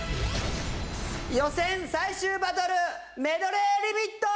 予選最終バトルメドレーリミット！